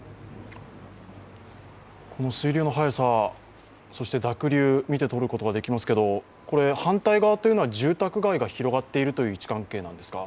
この水流の速さ、そして濁流を見て取ることができますけど、これ反対側というのは住宅街が広がっているという位置関係なんですか？